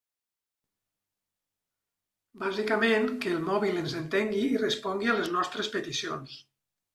Bàsicament, que el mòbil ens entengui i respongui a les nostres peticions.